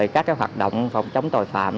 các hoạt động phòng chống tội phạm